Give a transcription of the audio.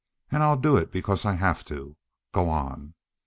And I'll do it because I have to. Go on."